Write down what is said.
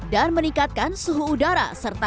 dan menikmati kualitas udara di jakarta